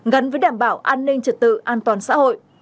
gắn với đảm bảo an ninh trật tự an toàn xã hội